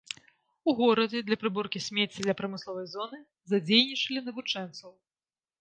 У горадзе для прыборкі смецця ля прамысловай зоны задзейнічалі навучэнцаў.